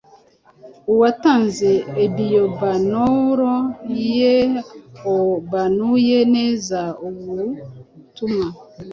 uwatanze ibiobanuro yaobanuye neza ubutumwa